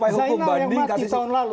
saya ada buktinya